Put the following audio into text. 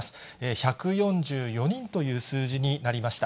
１４４人という数字になりました。